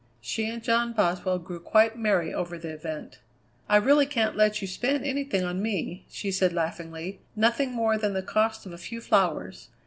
She and John Boswell grew quite merry over the event. "I really can't let you spend anything on me," she said laughingly; "nothing more than the cost of a few flowers.